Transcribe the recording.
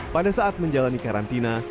pada saat menjalani karantina